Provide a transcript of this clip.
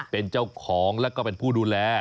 เป็นเจ้าของแล้วก็เป็นผู้ดูแล